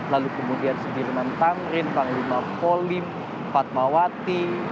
lalu kemudian subirman tamrin panglima kolim padmawati